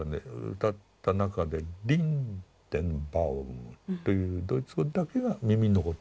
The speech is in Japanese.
歌った中で「リンデンバウム」というドイツ語だけが耳に残ったんです。